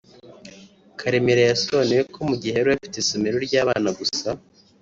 Karemera yasobanuye ko mu gihe bari bafite isomero ry’abana gusa